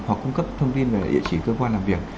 hoặc cung cấp thông tin về địa chỉ cơ quan làm việc